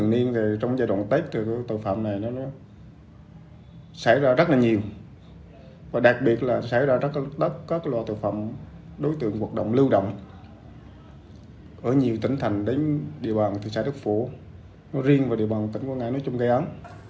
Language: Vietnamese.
nó riêng và địa bàn tỉnh của ngài nói chung gây án